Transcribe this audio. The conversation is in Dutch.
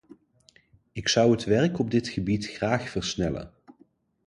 Ik zou het werk op dit gebied graag versnellen.